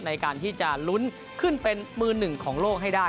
ในการที่จะลุ้นขึ้นเป็นมือหนึ่งของโลกให้ได้